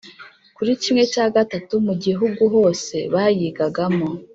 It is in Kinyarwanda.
kuri kimwe cya gatatu mu gihugu hose bayigagamo